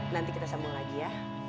nanti kita sambung lagi ya